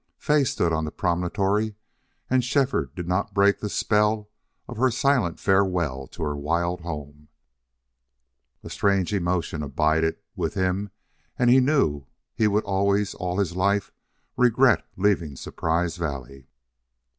Fay stood on the promontory, and Shefford did not break the spell of her silent farewell to her wild home. A strange emotion abided with him and he knew he would always, all his life, regret leaving Surprise Valley.